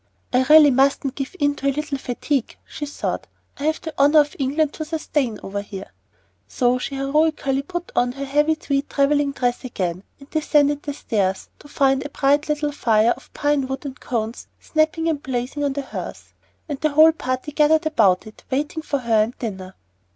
"I really mustn't give in to a little fatigue," she thought. "I have the honor of England to sustain over here." So she heroically put on her heavy tweed travelling dress again, and descended the stairs, to find a bright little fire of pine wood and cones snapping and blazing on the hearth, and the whole party gathered about it, waiting for her and dinner.